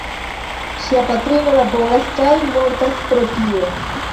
Ŝia patrino laboras kaj mortas pro tio.